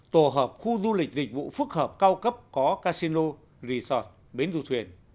tổ hợp khu du lịch dịch vụ phức hợp cao cấp có casino resort bến du thuyền